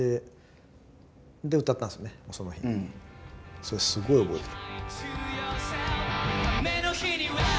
それすごい覚えてる。